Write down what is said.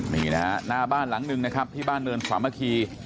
นี่นะฮะหน้าบ้านหลังหนึ่งนะครับที่บ้านเนินสามัคคี